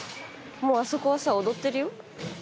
もうあそこはさ踊ってるよ。